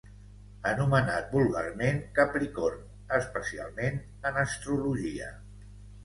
Anomenat vulgarment Capricorn, especialment en astrologia.